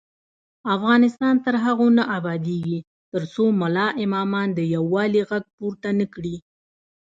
افغانستان تر هغو نه ابادیږي، ترڅو ملا امامان د یووالي غږ پورته نکړي.